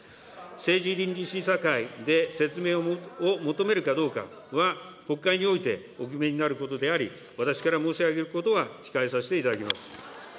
政治倫理審査会で説明を求めるかどうかは、国会においてお決めになることであり、私から申し上げることは控えさせていただきます。